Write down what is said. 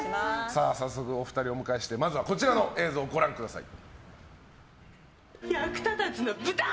早速お二人をお迎えしてまずはこちらの映像をご覧ください。